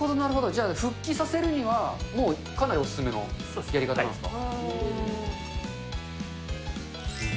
じゃあ復帰させるには、もうかなりお勧めのやり方なんですか？